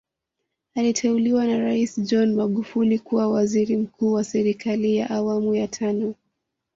Aliteuliwa na Rais John Magufuli kuwa waziri mkuu wa serikali ya awamu ya tano